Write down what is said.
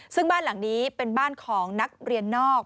ซึ่งบ้านหลังนี้เป็นบ้านของนักเรียนนอก